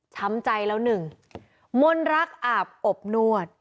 ช้ำใจแล้วหนึ่งมนรักอาบอบนวด